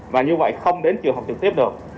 và như vậy không đến trường học trực tiếp được